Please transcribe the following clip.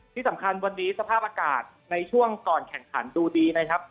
ที่สำคัญวันนี้สภาพอากาศในช่วงก่อนแข่งขันดูดีนะครับ